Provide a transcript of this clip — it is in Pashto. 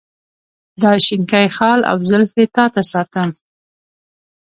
دا شینکی خال او زلفې تا ته ساتم.